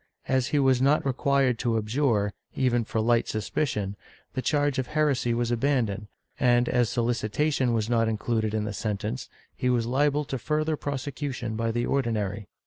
As he was not required to abjure, even for light suspicion, the charge of heresy was abandoned, and as solicitation was not included in the sentence, he was liable to further prose cution by the Ordinary.